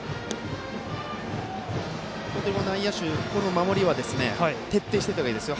本当に内野手、この守りは徹底しておいた方がいいですよ。